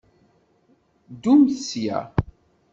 Ddumt sya!